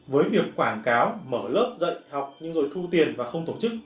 với việc quảng cáo mở lớp dạy học nhưng rồi thu tiền và không tổ chức